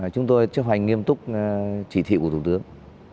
chúng tôi chấp hành nghiêm túc chỉ thị của thủ tướng